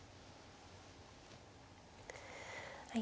はい。